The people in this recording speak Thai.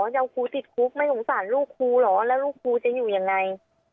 เดี๋ยวครูติดคุกไม่สงสารลูกครูเหรอแล้วลูกครูจะอยู่ยังไง